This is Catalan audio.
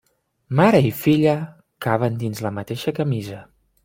Mare i filla caben dins la mateixa camisa.